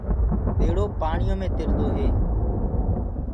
ٻيڙو پآڻيو مي تِردو هي۔